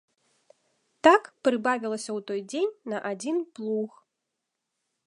Так прыбавілася ў той дзень на адзін плуг.